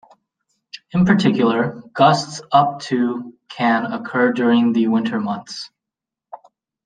In particular, gusts up to can occur during the winter months.